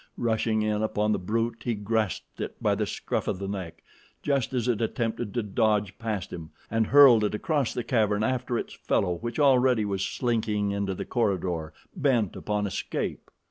Rushing in upon the brute he grasped it by the scruff of the neck, just as it attempted to dodge past him, and hurled it across the cavern after its fellow which already was slinking into the corridor, bent upon escape.